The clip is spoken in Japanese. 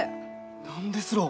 何ですろう？